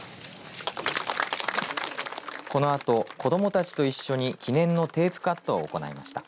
このあと、子どもたちと一緒に記念のテープカットを行いました。